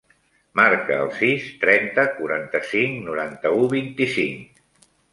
Marca el sis, trenta, quaranta-cinc, noranta-u, vint-i-cinc.